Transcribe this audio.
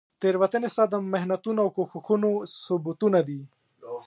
تیروتنې ستا د محنتونو او کوښښونو ثبوتونه دي.